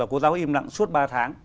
cô giáo im lặng suốt ba tháng